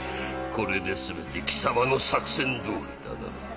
これで全て貴様の作戦通りだな。